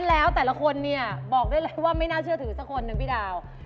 แล้วแต่ละคนเนี่ยบอกได้เลยว่าไม่น่าเชื่อถือสักคนหนึ่งพี่ดาว